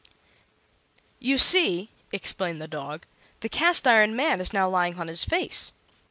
"You see," explained the dog, "the Cast iron Man is now lying on his face.